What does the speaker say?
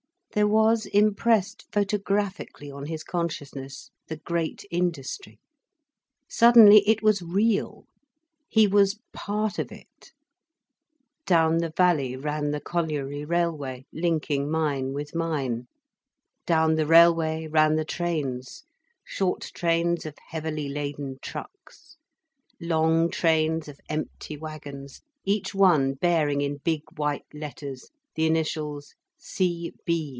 There was impressed photographically on his consciousness the great industry. Suddenly, it was real, he was part of it. Down the valley ran the colliery railway, linking mine with mine. Down the railway ran the trains, short trains of heavily laden trucks, long trains of empty wagons, each one bearing in big white letters the initials: "C. B.